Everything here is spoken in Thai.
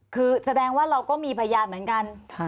คือแสดงว่าเราก็มีพยานเหมือนกัน